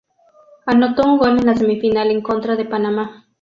Anotó un gol en la semifinal en contra de Panamá.